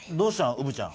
うぶちゃん。